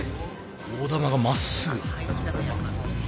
大玉がまっすぐ。